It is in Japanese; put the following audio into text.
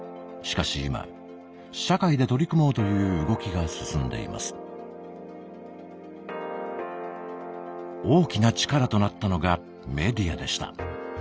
しかし今社会で取り組もうという動きが進んでいます。大きな力となったのがメディアでした。